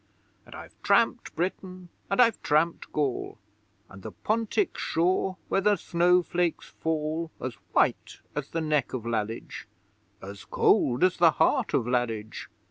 And I've tramped Britain, and I've tramped Gaul, And the Pontic shore where the snow flakes fall As white as the neck of Lalage (As cold as the heart of Lalage!)